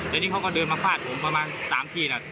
แล้วนี่เขาก็เดินมาฟาดผมประมาณ๓ทีนะ